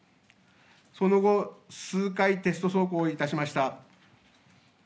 その後、数回、テスト走行をいたしました。